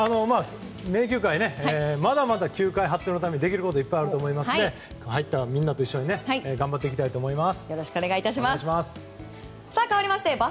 名球会はまだまだ球界発展のためにできることいっぱいあると思いますので入ったみんなと一緒に頑張っていきたいと思います。